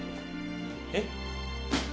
えっ？